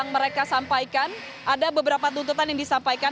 mereka sampaikan ada beberapa tuntutan yang disampaikan